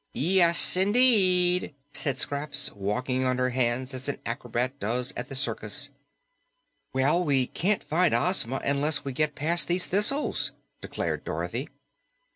"Yes indeed," said Scraps, walking on her hands as an acrobat does at the circus. "Well, we can't find Ozma unless we get past these thistles," declared Dorothy.